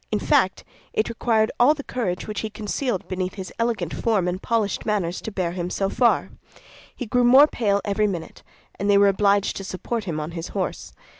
In fact, it required all the courage which he concealed beneath his elegant form and polished manners to bear him so far. He grew more pale every minute, and they were obliged to support him on his horse.